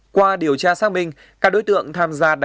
qua điều tra xác minh các đối tượng tham gia đánh